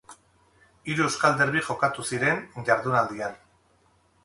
Hiru euskal derbi jokatu ziren jardunaldian.